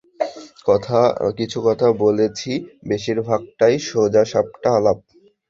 কিছু কথা বলেছি, বেশিরভাগটাই সোজাসাপটা আলাপ।